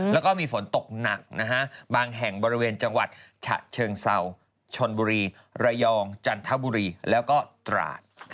แล้วก็มีฝนตกหนักนะฮะบางแห่งบริเวณจังหวัดฉะเชิงเศร้าชนบุรีระยองจันทบุรีแล้วก็ตราด